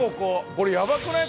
これやばくない？